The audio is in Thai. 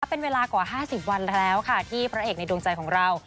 เป็นเวลากว่า๕๐วันแล้วค่ะที่พระเอกในดวงใจของเรา